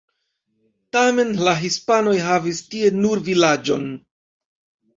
Tamen la hispanoj havis tie nur vilaĝon.